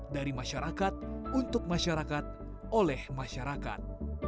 dari masyarakat untuk masyarakat oleh masyarakat